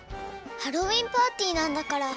ハロウィーンパーティーなんだから。